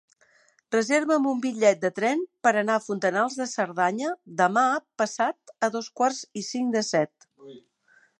Reserva'm un bitllet de tren per anar a Fontanals de Cerdanya demà passat a dos quarts i cinc de set.